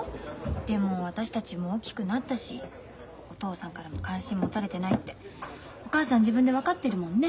でも私たちも大きくなったしお父さんからも関心持たれてないってお母さん自分で分かってるもんね。